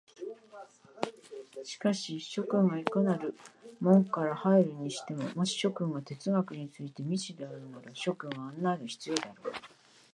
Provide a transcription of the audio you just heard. しかし諸君がいかなる門から入るにしても、もし諸君が哲学について未知であるなら、諸君には案内が必要であろう。